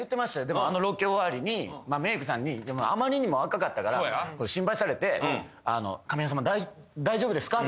でもあのロケ終わりにメークさんにあまりにも赤かったから心配されて神山さん大丈夫ですか？